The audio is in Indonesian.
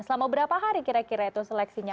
selama berapa hari kira kira itu seleksinya